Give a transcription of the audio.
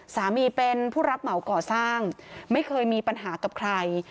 สามีเป็นผู้รับเหมาก่อสร้างไม่เคยมีปัญหากับใคร